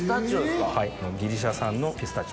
ギリシャ産のピスタチオになります。